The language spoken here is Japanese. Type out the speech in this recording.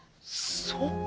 そうか。